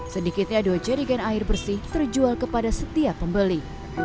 sedikitnya dua jerigen air bersih terjual kepada setiap pembeli